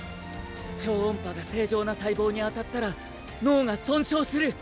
超音波が正常な細胞に当たったら脳が損傷する！